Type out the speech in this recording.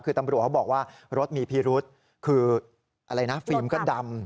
คือตำรวจเขาบอกว่ารถมีพิรุษคืออะไรนะฟิล์มก็ดำ